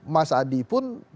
mas adi pun